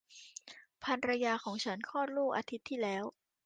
ภรรยาของฉันคลอดลูกอาทิตย์ที่แล้ว